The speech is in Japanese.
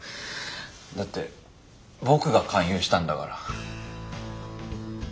だって僕が勧誘したんだから。